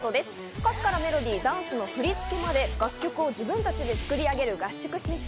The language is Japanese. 歌詞からメロディー、ダンスの振り付けまで自分たちで楽曲を作り上げる合宿審査。